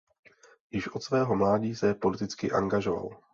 Již od svého mládí se politicky angažoval.